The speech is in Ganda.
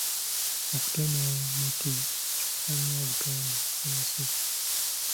Okutema emiti kikosa nnyo obutonde bw'ensi.